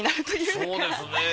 そうですね。